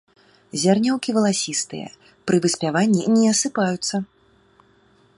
Зярняўкі валасістыя, пры выспяванні не асыпаюцца.